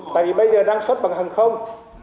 tại vì bây giờ đang xuất bằng hàng không